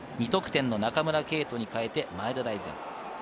２得点の中村敬斗に代えて前田大然。